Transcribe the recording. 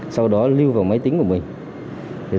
sau đó lưu vào máy tính của mình